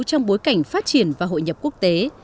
trong bối cảnh phát triển và hội nhập quốc tế